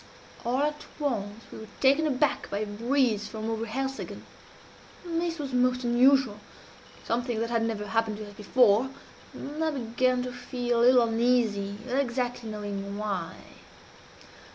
All at once we were taken aback by a breeze from over Helseggen. This was most unusual something that had never happened to us before and I began to feel a little uneasy, without exactly knowing why.